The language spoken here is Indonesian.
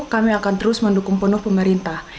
kami akan terus mendukung penuh pemerintah